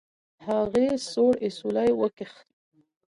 هغې سوړ اسويلى وکېښ.